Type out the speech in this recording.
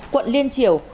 quận liên triều